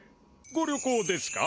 ご旅行ですか？